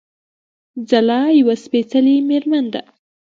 ځلا يوه سپېڅلې مېرمن ده